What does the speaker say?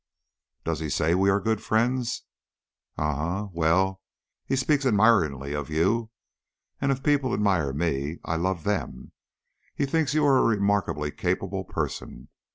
"Does he say we are good friends?" "Um m well, he speaks admiringly of you, and if people admire me I love them. He thinks you are a remarkably capable person.